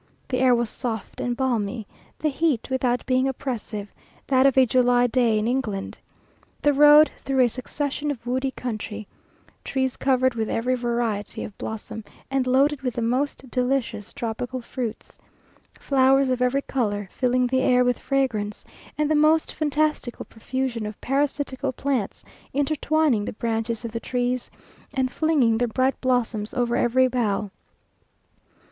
The air was soft and balmy. The heat, without being oppressive, that of a July day in England. The road through a succession of woody country; trees covered with every variety of blossom, and loaded with the most delicious tropical fruits; flowers of every colour filling the air with fragrance, and the most fantastical profusion of parasitical plants intertwining the branches of the trees, and flinging their bright blossoms over every bough.